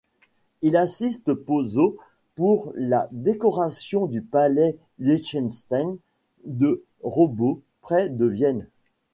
Il assiste Pozzo pour la décoration du palais Liechtenstein de Roßau, près de Vienne.